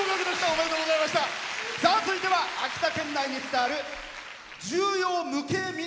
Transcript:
続いては秋田県内に伝わる重要無形民俗